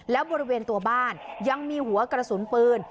แล้วบริเวณตัวบ้านยังมีหัวกระสุนปืน